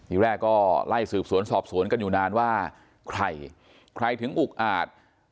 อีกแรกก็ไล่สืบสวนสอบสวนกันอยู่นานว่าใครใครถึงอุกอาจ